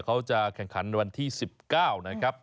เขาจะแข่งขันวันที่๑๙นะครับ